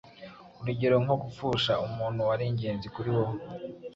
urugero nko gupfusha umuntu wari ingenzi kuri wowe,